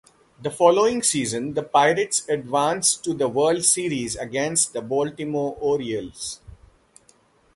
The following season, the Pirates advanced to the World Series against the Baltimore Orioles.